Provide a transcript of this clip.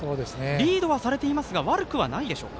リードはされていますが悪くはないでしょうか。